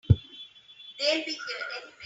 They'll be here any minute!